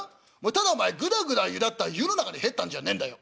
ただお前ぐだぐだゆだった湯の中に入ったんじゃねえんだよ。